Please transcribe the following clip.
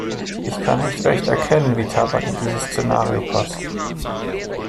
Ich kann nicht recht erkennen, wie Tabak in dieses Szenario passt.